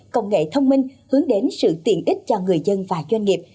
công nghệ thông minh hướng đến sự tiện ích cho người dân và doanh nghiệp